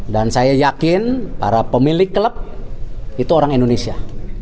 dan saya yakin para pemilik klub itu orang indonesia